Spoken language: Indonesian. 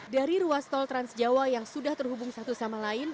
dari ruas tol transjawa yang sudah terhubung satu sama lain